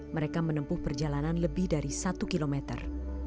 mereka menempuh perjalanan lebih dari satu kilometer